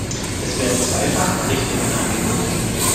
Es werden zwei Fachrichtungen angeboten.